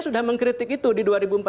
sudah mengkritik itu di dua ribu empat belas